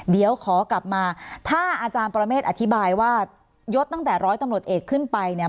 เดี๋ยวขอกลับมาถ้าอาจารย์ปรเมฆอธิบายว่ายศตั้งแต่ร้อยตำรวจเอกขึ้นไปเนี่ย